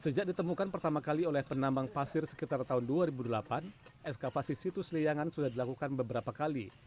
sejak ditemukan pertama kali oleh penambang pasir sekitar tahun dua ribu delapan eskavasi situs liangan sudah dilakukan beberapa kali